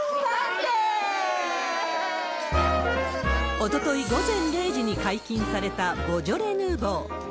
おととい午前０時に解禁されたボジョレ・ヌーボー。